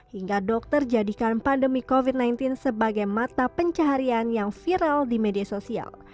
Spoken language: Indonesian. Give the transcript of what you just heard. hingga dokter jadikan pandemi covid sembilan belas sebagai mata pencaharian yang viral di media sosial